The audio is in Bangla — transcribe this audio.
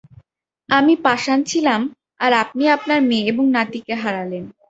আমি পাষাণ ছিলাম আর আপনি আপনার মেয়ে এবং নাতিকে হারালেন।